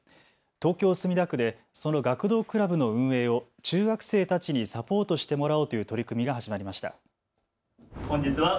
東京墨田区でその学童クラブの運営を中学生たちにサポートしてもらおうという取り組みが始まりました。